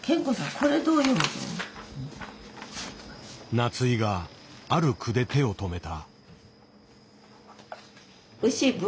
夏井がある句で手を止めた。